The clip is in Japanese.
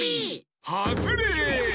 はずれ！